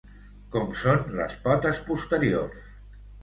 Com són les potes posteriors?